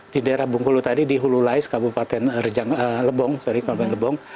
di daerah bengkulu tadi di hulu lais kabupaten rejang lebong